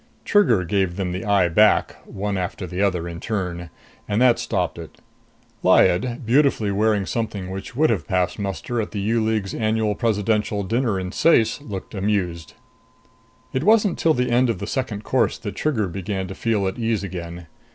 Trigger gave them the eye back, one after the other, in turn; and that stopped it. Lyad, beautifully wearing something which would have passed muster at the U League's Annual Presidential Dinner in Ceyce, looked amused. It wasn't till the end of the second course that Trigger began to feel at ease again.